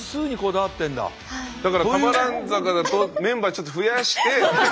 だから多摩蘭坂だとメンバーちょっと増やして。